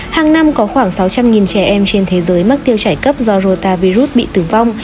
hàng năm có khoảng sáu trăm linh trẻ em trên thế giới mắc tiêu chảy cấp do rota virus bị tử vong